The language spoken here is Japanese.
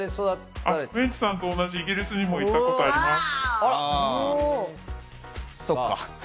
ウエンツさんと同じ、イギリスにも行ったことあります。